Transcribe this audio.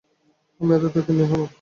আমি আতাতুর্কের ন্যায় হব!